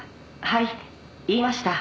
はい言いました」